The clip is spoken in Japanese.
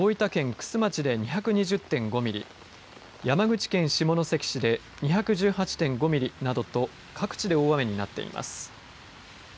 玖珠町で２２０．５ミリ山口県下関市で２１８．５ミリなどと各地で大雨になっています。